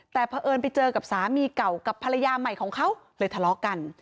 แต่เผอิญไปเจอกับสามีเก่ากับภรรยาใหม่ของเขาเลยทะเลาะกัน